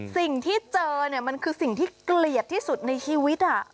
สิ่งที่เจอเนี่ยมันคือสิ่งที่เกลียดที่สุดในชีวิต